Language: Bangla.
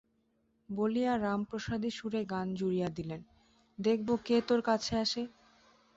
বলিয়া রামপ্রসাদী সুরে গান জুড়িয়া দিলেন– দেখব কে তোর কাছে আসে!